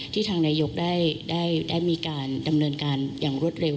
ทางนายกได้มีการดำเนินการอย่างรวดเร็ว